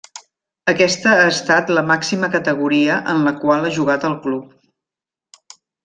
Aquesta ha estat la màxima categoria en la qual ha jugat el club.